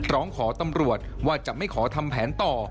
ร้องขอตำรวจว่าจะไม่ขอทำแผนต่อ